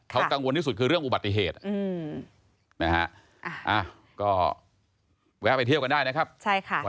เขากังวลที่สุดคือเรื่องอุบัติเหตุนะฮะก็แวะไปเที่ยวกันได้นะครับใช่ค่ะ